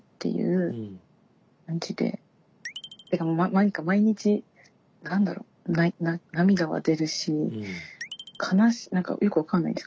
何か毎日何だろう涙は出るし悲しい何かよく分かんないんです。